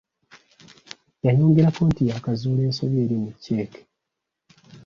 Yayongerako nti yaakazuula ensobi eri mu cceeke.